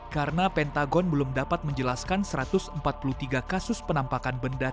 karena pentagon belum dapat menjelaskan satu ratus empat puluh tiga kasus penampakan benda